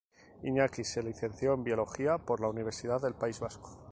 Iñaki se licenció en biología por la Universidad del País Vasco.